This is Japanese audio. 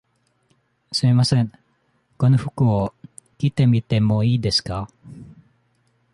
すみません、この服を着てみてもいいですか。